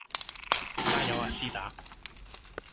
加油呀絲打